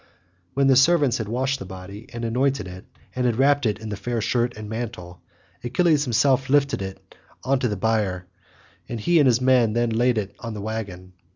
When the servants had washed the body and anointed it, and had wrapped it in a fair shirt and mantle, Achilles himself lifted it on to a bier, and he and his men then laid it on the waggon.